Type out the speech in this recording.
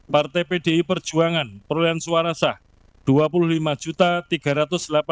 partai pdi perjuangan perolehan suara sah dua puluh lima tiga ratus delapan puluh tujuh dua ratus tujuh puluh sembilan suara